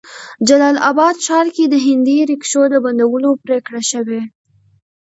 جلال آباد ښار کې د هندي ريکشو د بندولو پريکړه شوې